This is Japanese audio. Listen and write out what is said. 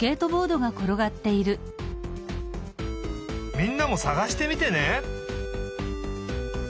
みんなもさがしてみてね！